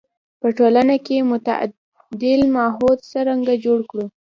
په ټولنه کې معتدل ماحول څرنګه جوړ کړو.